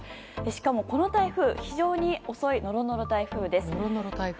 しかもこの台風非常に遅いノロノロ台風です。